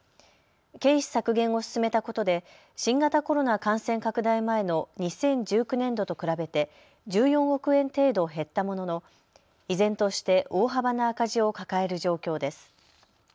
経費削減を進めたことで新型コロナ感染拡大前の２０１９年度と比べて１４億円程度減ったものの依然として大幅な赤字を抱える状況です。